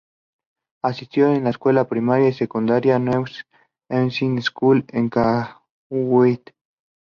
Asistió a las escuelas primaria y secundaria "New English School" en Kuwait.